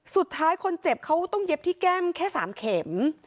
สุดท้ายคนเจ็บเขาต้องเย็บที่แก้มแค่๓เข็ม